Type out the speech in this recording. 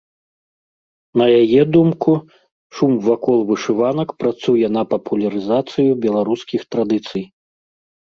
На яе думку, шум вакол вышыванак працуе на папулярызацыю беларускіх традыцый.